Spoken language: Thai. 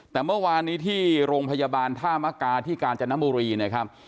แต่เมื่อวานนี้ที่โรงพยาบาลท่ามกาที่กาญจนบุรีนะครับ